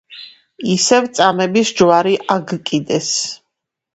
ისევ წამების ჯვარი აგკიდეს